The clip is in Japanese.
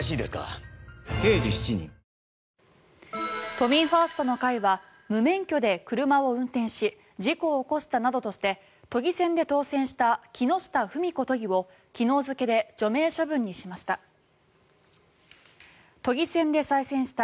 都民ファーストの会は無免許で車を運転し事故を起こしたなどとして都議選で当選した木下富美子都議を昨日付で除名処分にしました。